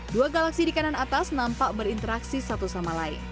dua galaksi di kanan atas nampak berinteraksi satu sama lain